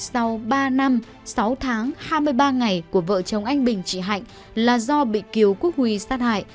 sau ba năm sáu tháng hai mươi ba ngày của vợ chồng anh bình chị hạnh là do bị kiều quốc huy sát hại